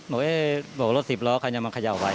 บอกรถสิบล้อใครจะมาเขย่าไว้